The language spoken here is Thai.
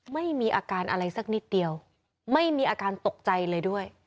ไม่มีอาการอะไรสักนิดเดียวไม่มีอาการตกใจเลยด้วย